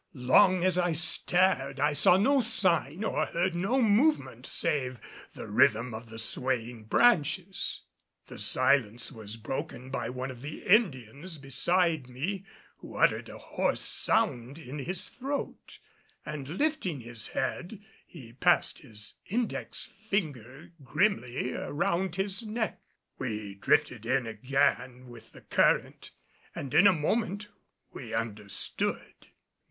Long as I stared I saw no sign or heard no movement save the rhythm of the swaying branches. The silence was broken by one of the Indians beside me who uttered a hoarse sound in his throat, and lifting his head he passed his index finger grimly around his neck. We drifted in again with the current, and in a moment we understood.